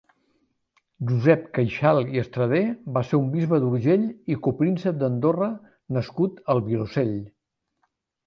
Josep Caixal i Estradé va ser un bisbe d'Urgell i Copríncep d'Andorra nascut al Vilosell.